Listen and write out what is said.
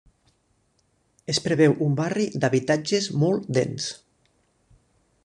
Es preveu un barri d'habitatges molt dens.